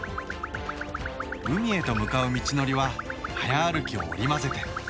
海へと向かう道のりは早歩きを織り交ぜて。